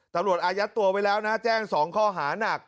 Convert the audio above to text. ตำรวจอายัดตัวไว้แล้วนะแจ้งสองข้อหานัก